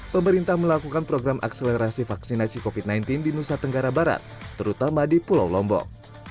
pemerintah melakukan program akselerasi vaksinasi covid sembilan belas di nusa tenggara barat terutama di pulau lombok